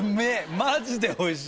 マジで美味しい。